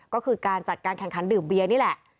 ก็คือการจัดการแข่งขันดื่มเบียร์นี่แหละ